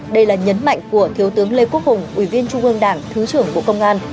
đây là nhấn mạnh của thiếu tướng lê quốc hùng ủy viên trung ương đảng thứ trưởng bộ công an